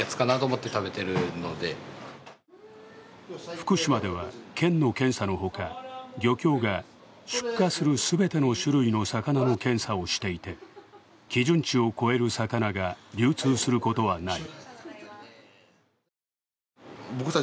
福島では県の検査のほか、漁協が出荷する全ての種類の魚の検査をしていて、基準値を超える魚が流通することはない。